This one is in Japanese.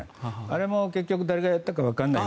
あれも結局誰がやった分からない。